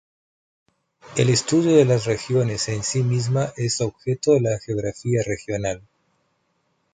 El estudio de las regiones en sí mismas es objeto de la geografía regional.